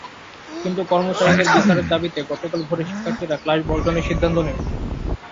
কিন্তু কর্মচারীদের বিচারের দাবিতে গতকাল ভোরে শিক্ষার্থীরা ক্লাস বর্জনের সিদ্ধান্ত নেন।